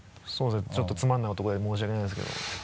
そうですちょっとつまらない男で申し訳ないんですけど。